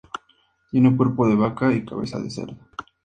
Tiene cuerpo de vaca y cabeza de cerdo.